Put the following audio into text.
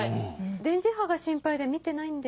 電磁波が心配で見てないんで。